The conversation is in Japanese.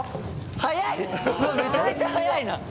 速い、めちゃめちゃ速いな。